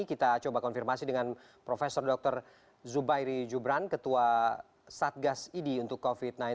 kita coba konfirmasi dengan prof dr zubairi jubran ketua satgas idi untuk covid sembilan belas